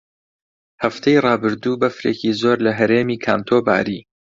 هەفتەی ڕابردوو بەفرێکی زۆر لە هەرێمی کانتۆ باری.